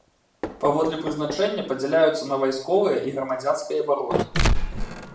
Паводле прызначэння падзяляюцца на вайсковыя і грамадзянскай абароны.